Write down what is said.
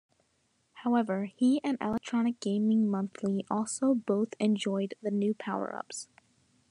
However, he and "Electronic Gaming Monthly" also both enjoyed the new power-ups.